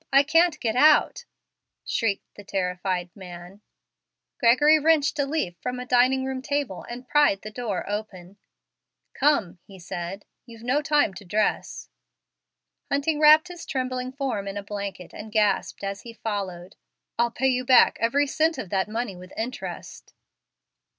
I can't get out," shrieked the terrified man. Gregory wrenched a leaf from a dining room table and pried the door open. "Come," he said, "you've no time to dress." Hunting wrapped his trembling form in a blanket and gasped, as he followed, "I'll pay you back every cent of that money with interest."